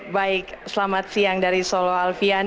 baik selamat siang dari solo alfian